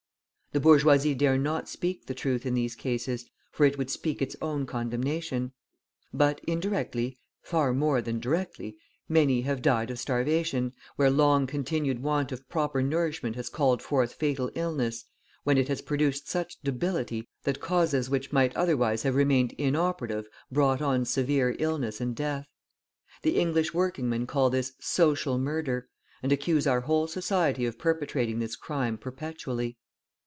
The bourgeoisie dare not speak the truth in these cases, for it would speak its own condemnation. But indirectly, far more than directly, many have died of starvation, where long continued want of proper nourishment has called forth fatal illness, when it has produced such debility that causes which might otherwise have remained inoperative, brought on severe illness and death. The English working men call this "social murder," and accuse our whole society of perpetrating this crime perpetually.